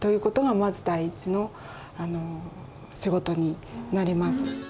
まず第一の仕事になります。